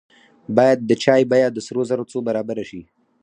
باید د چای بیه د سرو زرو څو برابره شي.